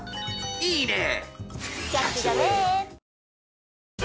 いいね！